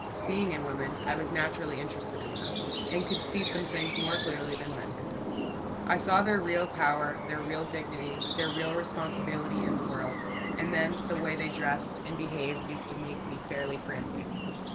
Being a woman, I was naturally interested in them, and could see some things more clearly than men could. I saw their real power, their real dignity, their real responsibility in the world; and then the way they dress and behave used to make me fairly frantic.